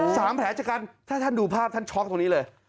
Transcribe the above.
สามแผลชะกันถ้าท่านดูภาพท่านช็อกตรงนี้เลย